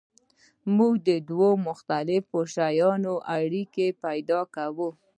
موږ د دوو مختلفو شیانو اړیکه پیدا کوو.